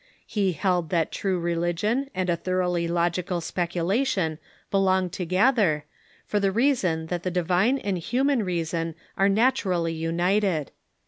He held that true religion and a thorough ly logical speculation belong together, for the reason that the divine and human reason are naturally united.